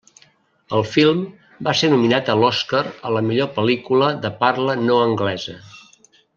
El film va ser nominat a l'Oscar a la millor pel·lícula de parla no anglesa.